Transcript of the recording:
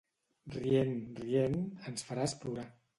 Rient, rient, ens faràs plorar.